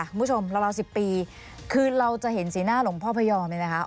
คุณผู้ชมราว๑๐ปีคือเราจะเห็นสีหน้าหลวงพ่อพยอมเนี่ยนะคะ